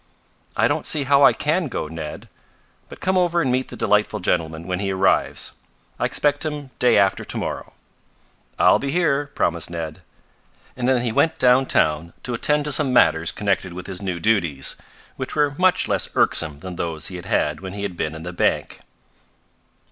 "I don't see how I can go, Ned. But come over and meet the delightful gentleman when he arrives. I expect him day after to morrow." "I'll be here," promised Ned; and then he went downtown to attend to some matters connected with his new duties, which were much less irksome than those he had had when he had been in the bank.